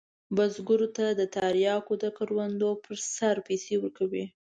بزګرو ته د تریاکو د کروندو پر سر پیسې ورکوي.